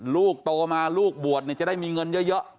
ลูกโตมาลูกบวชจะได้มีเงินเยอะ